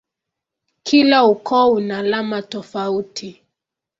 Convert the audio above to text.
Kila ukoo una alama tofauti.